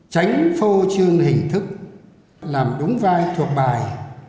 tránh phô trương hình thức làm đúng vai thuộc bài